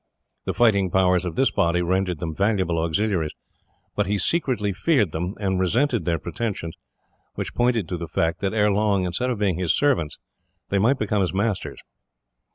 The fighting powers of this body rendered them valuable auxiliaries, but he secretly feared them, and resented their pretensions; which pointed to the fact that, ere long, instead of being his servants, they might become his masters.